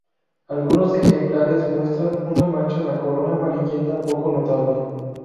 Algunos ejemplares muestran una mancha en la corona amarillenta poco notable.